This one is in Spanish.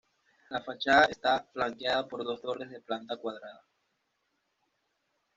La fachada está flanqueada por dos torres de planta cuadrada.